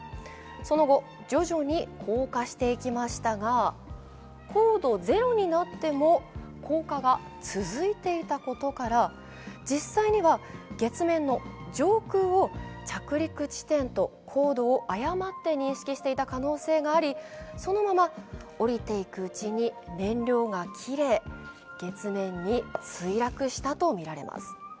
その後、徐々に降下していきましたが、高度０になっても降下が続いていたことから実際には月面の上空を着陸地点と、高度を誤って認識していた可能性があり、そのまま下りていくうちに燃料が切れ、月面に墜落したとみられます。